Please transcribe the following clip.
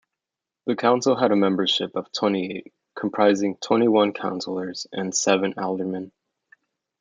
The council had a membership of twenty-eight, comprising twenty-one councillors and seven aldermen.